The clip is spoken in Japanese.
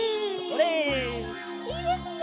いいですね！